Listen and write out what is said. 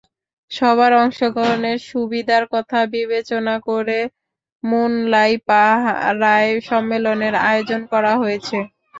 সবার অংশগ্রহণের সুবিধার কথা বিবেচনা করে মুনলাই পাড়ায় সম্মেলনের আয়োজন করা হয়েছে।